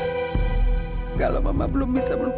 sejak almarhum suami mama datang dan membawa kakak ipar kamu itu